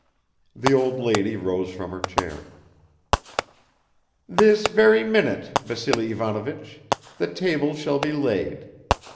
The old lady rose from her chair. "This very minute, Vassily Ivanovich, the table shall be laid.